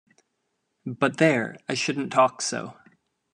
But there, I shouldn’t talk so.